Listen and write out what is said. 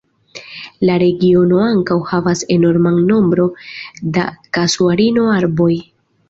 La regiono ankaŭ havas enorman nombron da Kasuarino-arboj.